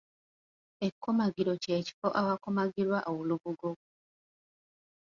Ekkomagiro ky’ekifo awakomagirwa olubugo.